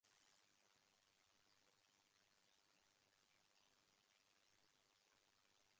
The school offered training in typing, bookkeeping, business writing, and other courses.